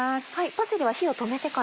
パセリは火を止めてから。